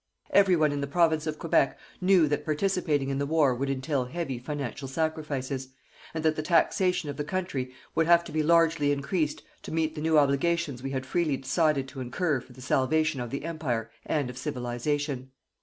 Every one in the Province of Quebec knew that participating in the war would entail heavy financial sacrifices, and that the taxation of the country would have to be largely increased to meet the new obligations we had freely decided to incur for the salvation of the Empire and of Civilization.